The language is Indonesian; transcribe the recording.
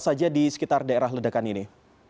apa saja di sekitar daerah ledakan ini